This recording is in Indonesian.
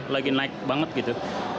lagi naik banget gitu